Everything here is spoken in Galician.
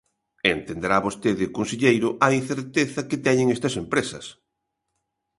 Entenderá vostede, conselleiro, a incerteza que teñen estas empresas.